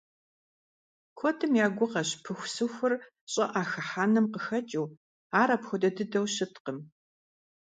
Куэдым я гугъэщ пыхусыхур щӀыӀэ хыхьэным къыхэкӀыу, ар апхуэдэ дыдэу щыткъым.